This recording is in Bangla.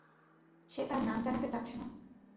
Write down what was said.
সে তার নাম জানাতে চাচ্ছে না।